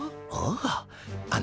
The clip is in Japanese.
ああ。